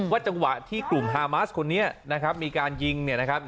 จังหวะที่กลุ่มฮามาสคนนี้นะครับมีการยิงเนี่ยนะครับ